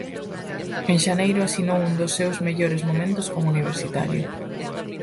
En xaneiro asinou un dos seus mellores momentos como universitario.